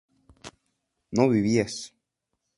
no vivías